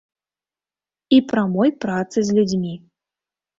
І прамой працы з людзьмі.